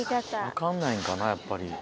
分かんないんかなやっぱり。